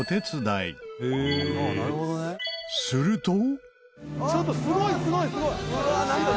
すると。